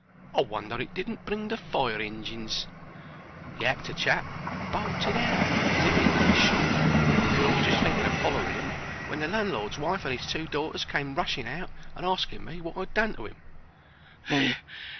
I wonder it didn't bring the fire injins. The actor chap bolted out as if he'd been shot, and I was just thinking of follering 'im when the landlord's wife and 'is two daughters came rushing out and asking me wot I 'ad done to him.